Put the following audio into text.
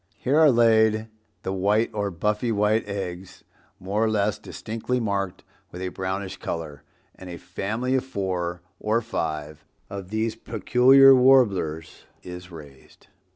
Here are laid the white or buffy white eggs, more or less distinctly marked with a brownish color, and a family of four or five of these peculiar Warblers is raised.